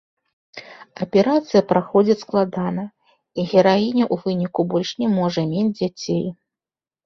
Аперацыя праходзіць складана, і гераіня ў выніку больш не можа мець дзяцей.